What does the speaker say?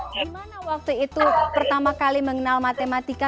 gimana waktu itu pertama kali mengenal matematika